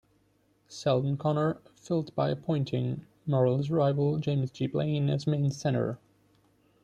Seldon Connor filled by appointing Morrill's rival James G. Blaine as Maine's Senator.